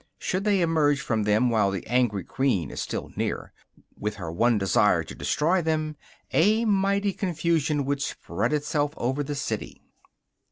Should they emerge from them while the angry queen is still near, with her one desire to destroy them, a mighty confusion would spread itself over the city.